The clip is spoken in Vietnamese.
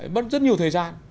bất rất nhiều thời gian